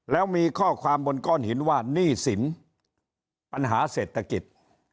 แล้วมีข้อความบนก้อนหินว่าหนี้สินปัญหาเศรษฐกิจ